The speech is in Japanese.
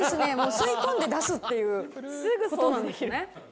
吸い込んで出すっていうことなんですね。